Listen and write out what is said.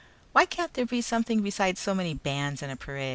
"Why can't there be something besides so many bands in a parade?